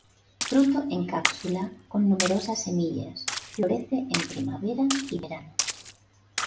Fruto en cápsula, con numerosas semillas. Florece en primavera y verano.